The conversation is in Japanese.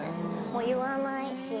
もう言わないし。